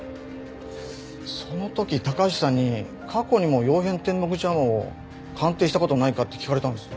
その時高橋さんに「過去にも曜変天目茶碗を鑑定した事ないか？」って聞かれたんです。